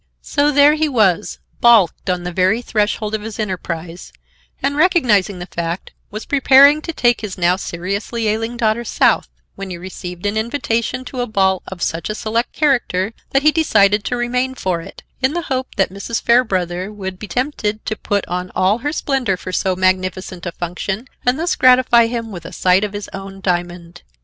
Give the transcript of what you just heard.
So there he was, balked on the very threshold of his enterprise, and, recognizing the fact, was preparing to take his now seriously ailing daughter south, when he received an invitation to a ball of such a select character that he decided to remain for it, in the hope that Mrs. Fairbrother would be tempted to put on all her splendor for so magnificent a function and thus gratify him with a sight of his own diamond.